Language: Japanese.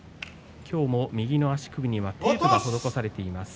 今日も右の足首にテープが施されています。